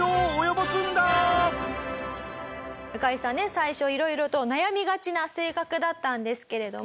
最初色々と悩みがちな性格だったんですけれども。